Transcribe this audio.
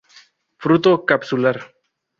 Fruto capsular.